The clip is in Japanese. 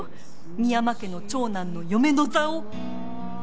深山家の長男の嫁の座を。